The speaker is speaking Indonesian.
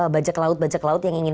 bajak laut bajak laut yang ingin